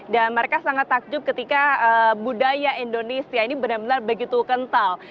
dan mereka sangat takjub ketika budaya indonesia ini benar benar begitu kental